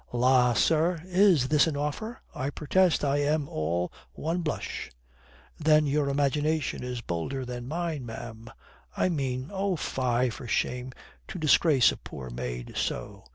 "La, sir, is this an offer? I protest I am all one blush." "Then your imagination is bolder than mine, ma'am. I mean " "Oh, fie for shame! To disgrace a poor maid so!